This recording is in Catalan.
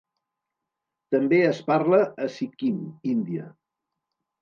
També es parla a Sikkim, Índia.